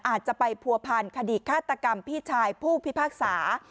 อาจจะไปผัวพันคดีฆาตกรรมพี่ชายผู้พิพากษา